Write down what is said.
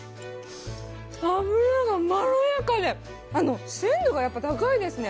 脂がまろやかで鮮度が高いですね。